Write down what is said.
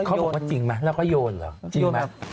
เขาบอกว่าจริงไหมแล้วก็โยนเหรอจริงไหม